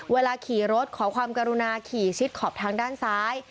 เวลาขี่รถขอความกรุณาขี่ชิดขอบทางด้านซ้าย